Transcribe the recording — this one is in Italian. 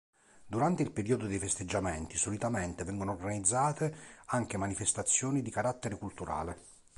Durante il periodo dei festeggiamenti solitamente vengono organizzate anche manifestazioni di carattere culturale.